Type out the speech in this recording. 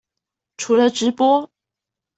除了直播